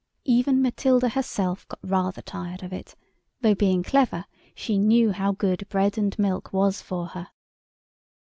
Even Matilda herself got rather tired of it, though being clever, she knew how good bread and milk was for her.